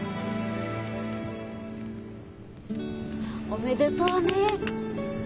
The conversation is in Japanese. おめでとうねえ。